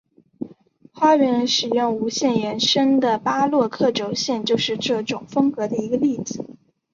花园使用无限延伸的巴洛克轴线就是这种风格的一个例子。